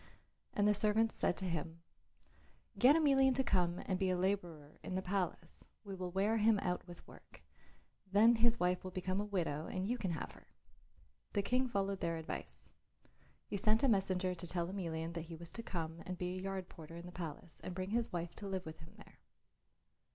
And the servants said to him, "Get Emelian to come and be a labourer in the palace. We will wear him out with work, then his wife will become a widow and you can have her." The King followed their advice. He sent a messenger to tell Emelian that he was to come and be a yard porter in the palace and bring his wife to live with him there.